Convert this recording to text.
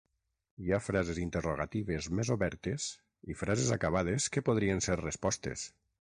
Hi ha frases interrogatives més obertes i frases acabades que podrien ser respostes.